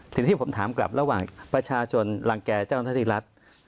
ทีนี้ผมถามกลับระหว่างประชาชนรังแก่เจ้าหน้าที่รัฐ